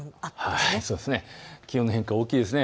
気温の変化が大きいです。